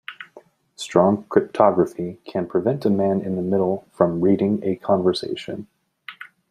Strong cryptography can prevent a man in the middle from reading a conversation.